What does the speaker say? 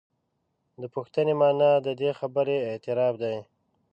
د پوښتنې معنا د دې خبرې اعتراف دی.